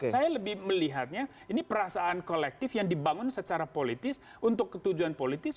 saya lebih melihatnya ini perasaan kolektif yang dibangun secara politis untuk ketujuan politis